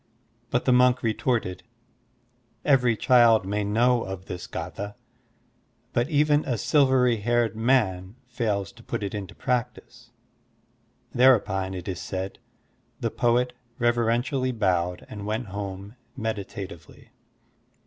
But the monk retorted, "Every child may know of this gfitha, but even a silvery haired man fails to put it into practice." There upon, it is said, the poet reverentially bowed and went home meditatively.